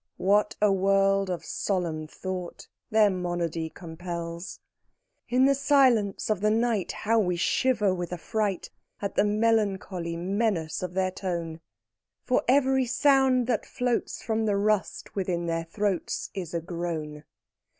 What a world of solemn thought their monody compels! In the silence of the night, How we shiver with affright At the melancholy menace of their tone! For every sound that floats From the rust within their throats Is a groan.